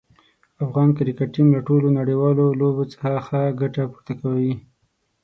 افغان کرکټ ټیم له ټولو نړیوالو لوبو څخه ښه ګټه پورته کوي.